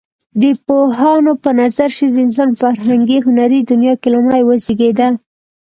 د پوهانو په نظر شعر د انسان په فرهنګي هنري دنيا کې لومړى وزيږيده.